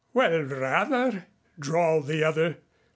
"Well rather," drawled the other.